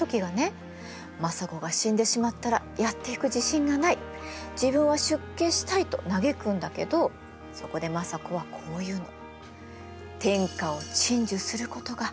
政子が死んでしまったらやっていく自信がない自分は出家したいと嘆くんだけどそこで政子はこういうの。